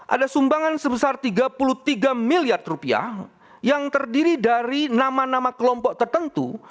ada sumbangan sebesar tiga puluh tiga miliar rupiah yang terdiri dari nama nama kelompok tertentu